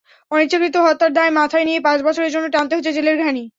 অনিচ্ছাকৃত হত্যার দায় মাথায় নিয়ে পাঁচ বছরের জন্য টানতে হচ্ছে জেলের ঘানি।